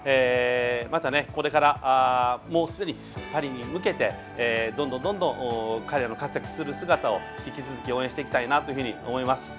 またこれからパリに向けてどんどん彼らの活躍する姿を引き続き応援していきたいなと思います。